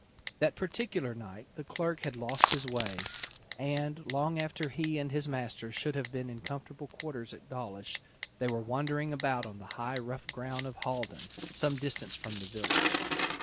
That particular night the clerk had lost his way, and, long after he and his master should have been in comfortable quarters at Dawlish, they were wandering about on the high rough ground of Haldon, some distance from the village.